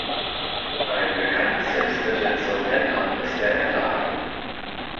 Ein bekanntes Hilfsmittel zum Entern ist der Enterhaken.